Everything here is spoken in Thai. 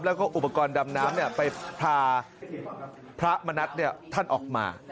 แล้วก็อุปกรณ์ดำน้ำไปพาพระมณัฐท่านออกมา